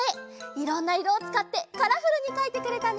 いろんないろをつかってカラフルにかいてくれたね！